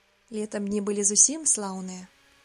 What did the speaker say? Летам дні былі зусім слаўныя.